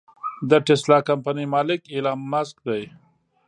د ټسلا کمپنۍ مالک ايلام مسک دې.